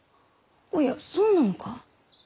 おやそうなのか！？